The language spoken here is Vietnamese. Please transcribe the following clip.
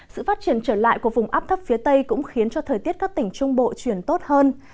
sự phát triển trở lại của vùng áp thấp phía tây cũng khiến cho thời tiết các tỉnh trung bộ chuyển tốt hơn